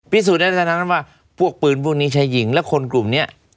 พิสูจน์ให้ได้แสดงนั้นว่าพวกปืนพวกนี้ชายหญิงและคนกลุ่มเนี่ย